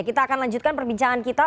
kita akan lanjutkan perbincangan kita